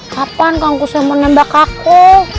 kapan kang kusoy mau nembak aku